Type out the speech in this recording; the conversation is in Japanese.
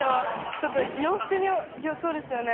ちょっと洋服にそうですよね